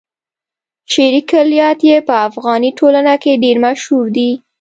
شعري کلیات يې په افغاني ټولنه کې ډېر مشهور دي.